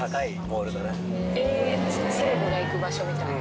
セレブが行く場所みたいな。